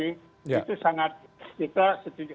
itu sangat kita setuju